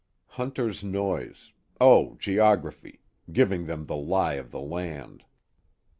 Hunter's noise oh, geography. Giving them the lie of the land.